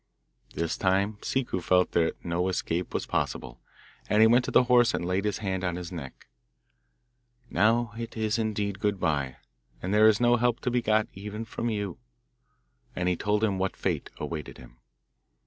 This time Ciccu felt that no escape was possible, and he went to the horse and laid his hand on his neck. 'Now it is indeed good bye, and there is no help to be got even from you,' and he told him what fate awaited him.